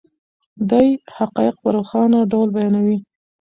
دی حقایق په روښانه ډول بیانوي.